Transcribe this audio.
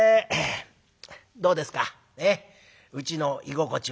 「どうですかうちの居心地は」。